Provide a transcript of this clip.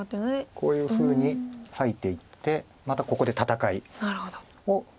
こういうふうに裂いていってまたここで戦いを目指してます。